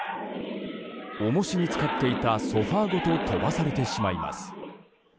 重しに使っていたソファごと飛ばされてしまいます。